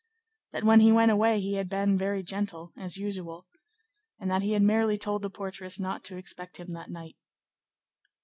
That when he went away he had been very gentle, as usual, and that he had merely told the portress not to expect him that night.